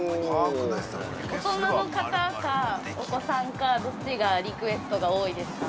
◆大人の方か、お子さんかどっちがリクエストが多いですか。